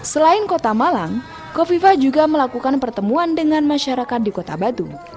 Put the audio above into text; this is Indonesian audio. selain kota malang kofifah juga melakukan pertemuan dengan masyarakat di kota batu